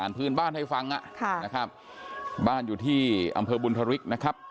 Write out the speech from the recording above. พื้นบ้านให้ฟังนะครับบ้านอยู่ที่อำเภอบุญธริกนะครับ